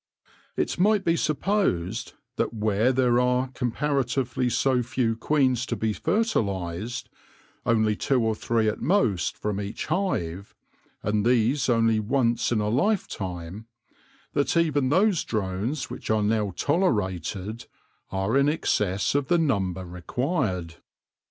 It might be supposed that where there are comparatively so few queens to be fertilised — only two or three at most from each hive, and these only once in a life time — that even those drones which are now toler ated are in excess of the number required.